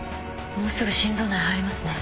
もうすぐ心臓内入りますね。